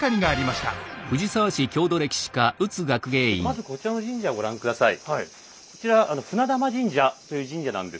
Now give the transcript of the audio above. まずこちらの神社をご覧下さい。